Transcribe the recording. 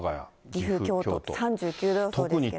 岐阜、３９度予想ですね。